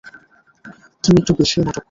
তুমি একটু বেশীই নাটক করো!